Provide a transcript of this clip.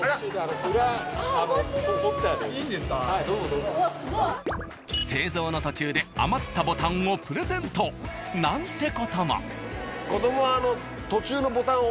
そんな製造の途中で余ったボタンをプレゼントなんて事も。